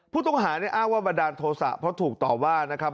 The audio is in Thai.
ผู้ต้องหาเนี่ยอ้างว่าบันดาลโทษะเพราะถูกต่อว่านะครับ